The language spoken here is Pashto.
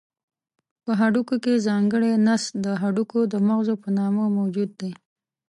په هډوکو کې ځانګړی نسج د هډوکو د مغزو په نامه موجود دی.